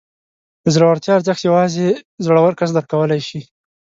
د زړورتیا ارزښت یوازې زړور کس درک کولی شي.